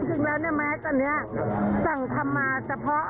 สรุปถึงแล้วแม๊กตัวเนี้ยสั่งทำมาแต่เพราะแฟน